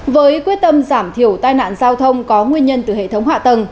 với quyết tâm giảm thiểu tai nạn giao thông có nguyên nhân từ hệ thống hạ tầng